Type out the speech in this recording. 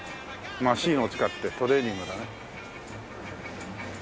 マシンを使ってトレーニングだね。